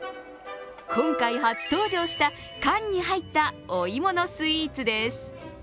今回初登場した缶に入ったお芋のスイーツです。